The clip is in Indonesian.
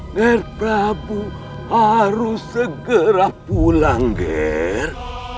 ger prabu harus segera pulang ger